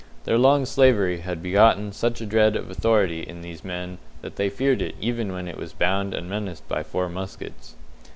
Their long slavery had begotten such a dread of authority in these men that they feared it even when it was bound and menaced by four muskets.